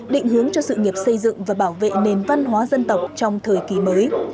định hướng cho sự nghiệp xây dựng và bảo vệ nền văn hóa dân tộc trong thời kỳ mới